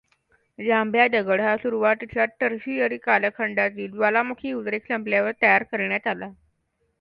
जांभ्या दगड हा सुरुवातीच्या टर्शियरी कालखंडातील ज्वालामुखी उद्रेक संपल्यावर तयार झाला.